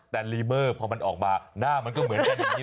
แต่เรมเบอร์พอมันออกมาหน้ามันก็เหมือนแค่นี้นะครับ